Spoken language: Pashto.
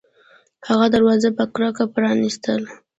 هغه دروازه په کرکه پرانیستله